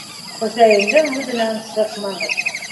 Хөсәйендең һүҙенән сыҡмағыҙ.